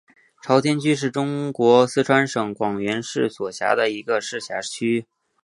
朝天区是中国四川省广元市所辖的一个市辖区。